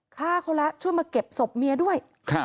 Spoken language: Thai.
ฆ่าเขาแล้วช่วยมาเก็บศพเมียด้วย